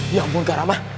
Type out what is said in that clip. ya ampun kak rama